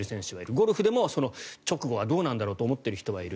ゴルフでも直後はどうなんだろうと思っている人はいる。